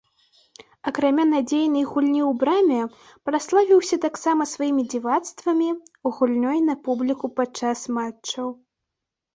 Акрамя надзейнай гульні ў браме, праславіўся таксама сваімі дзівацтвамі, гульнёй на публіку падчас матчаў.